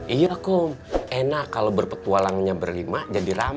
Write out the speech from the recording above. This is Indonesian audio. iya kok enak kalau berpetualangnya berlima jadi rame